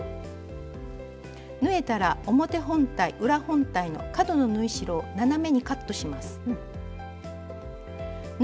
縫えたら表本体裏本体の角の縫い代を斜めにカットします。